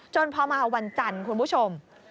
พอมาวันจันทร์คุณผู้ชม